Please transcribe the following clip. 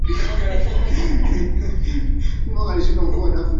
na mia moja kumi na moja ya tarehe ishirini na nane